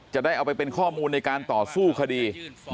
จะได้เอาไปเป็นข้อมูลในการต่อสู้คดี